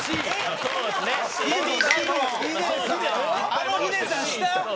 あのヒデさん下？